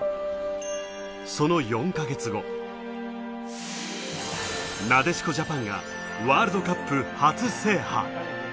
その４か月後、なでしこジャパンがワールドカップ初制覇。